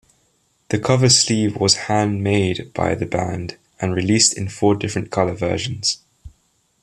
The cover-sleeve was handmade by the band and released in four different color-versions.